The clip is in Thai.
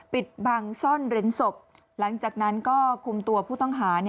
ปิดบังซ่อนเร้นศพหลังจากนั้นก็คุมตัวผู้ต้องหา